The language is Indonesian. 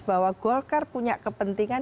bahwa golkar punya kepentingan